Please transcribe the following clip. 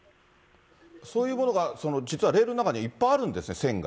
そういうものが実はレールの中にいっぱいあるんですね、線が。